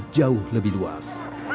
jauh lebih luas